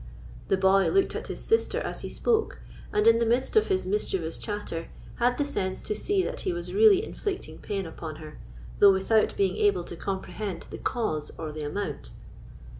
The boy looked at his sister as he spoke, and, in the midst of his mischievous chatter, had the sense to see that he was really inflicting pain upon her, though without being able to comprehend the cause or the amount.